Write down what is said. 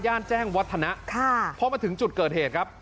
แจ้งวัฒนะค่ะพอมาถึงจุดเกิดเหตุครับ